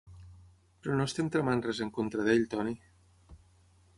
Però no estem tramant res en contra d'ell, Tony.